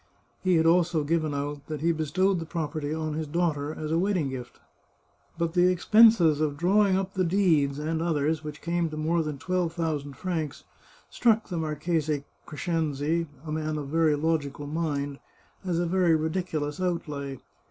He had also given out that he bestowed the prop erty on his daughter as a wedding gift. But the expenses of drawing up the deeds, and others, which came to more than twelve thousand francs, struck the Marchese Crescenzi, a man of very logical mind, as a very ridiculous outlay.